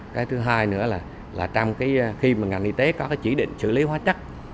cái thứ hai nữa là khi mà ngành y tế có chỉ định xử lý hóa chất